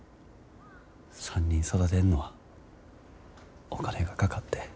３人育てんのはお金がかかって。